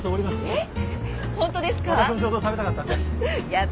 えっ？